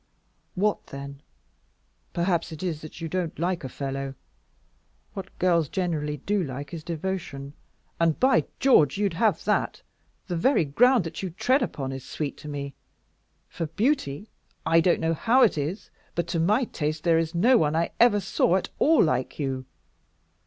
"What, then? Perhaps it is that you don't like a fellow. What girls generally do like is devotion, and, by George, you'd have that. The very ground that you tread upon is sweet to me. For beauty, I don't know how it is, but to my taste there is no one I ever saw at all like you.